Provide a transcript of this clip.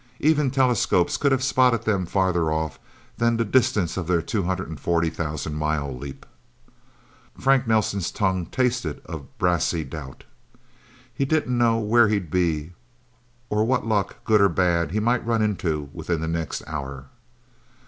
Even telescopes could have spotted them farther off than the distance of their 240,000 mile leap. Frank Nelsen's tongue tasted of brassy doubt. He didn't know where he'd be, or what luck, good or bad, he might run into, within the next hour.